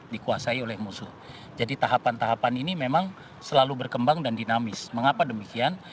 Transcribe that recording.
dikuasai oleh musuh jadi tahapan tahapan ini memang selalu berkembang dan dinamis mengapa demikian